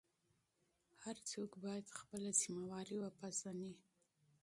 هر څوک باید خپل مسوولیت وپېژني.